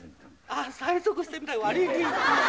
あっ催促したみたい悪いね。